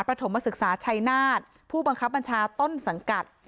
ถมศึกษาชัยนาฏผู้บังคับบัญชาต้นสังกัด